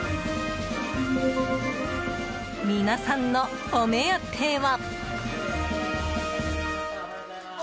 皆さんのお目当ては。